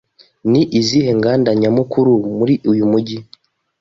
Ni izihe nganda nyamukuru muri uyu mujyi?